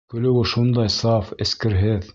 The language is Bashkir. Көлөүе шундай саф, эскерһеҙ.